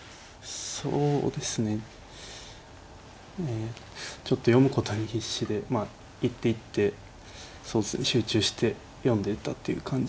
そうですねちょっと読むことに必死でまあ一手一手集中して読んでいったっていう感じです。